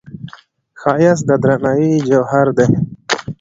ښایست د درناوي جوهر دی